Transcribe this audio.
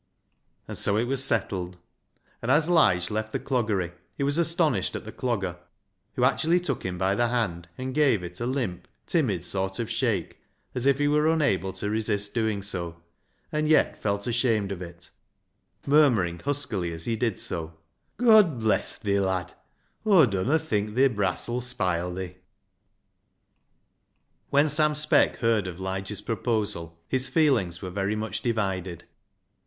And so it was settled ; and as Lige left the Cloggery he was astonished at the Clogger, who actually took him by the hand and gave it a limp, timid sort of shake, as if he were unable to resist doing so, and yet felt ashamed of it, murmuring huskily, as he did so —" God bless thi, lad ! Aw dunno think thi brass 'uU spile thi." When Sam Speck heard of Lige's proposal his feelings were very much divided.